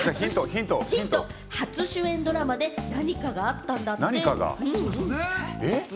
ヒントは、初主演ドラマで何かがあったんだって。